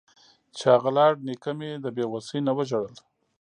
چې اغه لاړ نيکه مې د بې وسۍ نه وژړل.